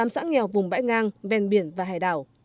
tám xã nghèo vùng bãi ngang ven biển và hải đảo